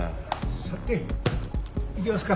さて行きますか。